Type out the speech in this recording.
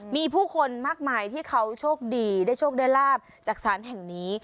มีผู้คนมากมายที่เขาโชคดีได้โชคได้ลาบจากศาลแห่งนี้